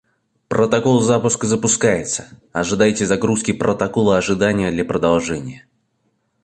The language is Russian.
Протокол запуска запускается, ожидайте загрузки протокола ожидания для продолжения.